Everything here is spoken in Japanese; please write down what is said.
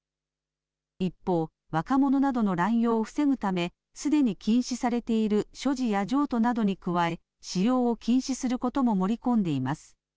一方、若者などの乱用を防ぐため、すでに禁止されている所持や譲渡などに加え、使用を禁止することも盛り込んでいます。